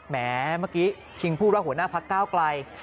แม้เมื่อกี้คิงพูดว่าหัวหน้าพักก้าวไกล